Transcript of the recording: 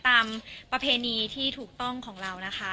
ประเพณีที่ถูกต้องของเรานะคะ